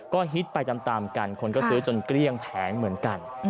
ก็ฮิตไปตามกันคนก็ซื้อจนเกลี้ยงแผงเหมือนกัน